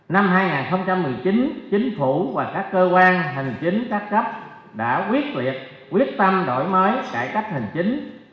năm hai nghìn một mươi chín chính phủ và các cơ quan hành chính các cấp đã quyết liệt quyết tâm đổi mới cải cách hành chính